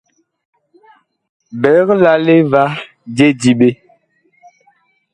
Biig lale va je diɓe.